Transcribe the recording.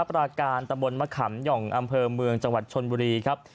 ปราการตะบนมะขำหย่องอำเภอเมืองจังหวัดชนบุรีครับ